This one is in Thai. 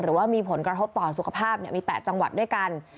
หรือว่ามีผลกระทบต่อสุขภาพมี๘จังหวัดด้วยกัน